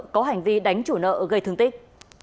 có hành vi đánh chủ nợ gây thương tích